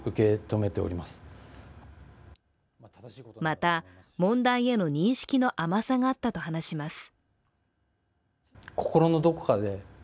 また、問題への認識の甘さがあったと話します。